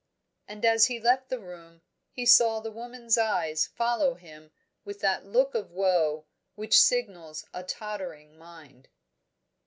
And as he left the room, he saw the woman's eyes follow him with that look of woe which signals a tottering mind.